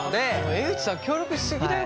江口さん協力し過ぎだよ